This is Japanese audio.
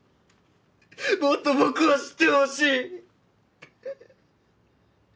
もっと僕を知ってほしい。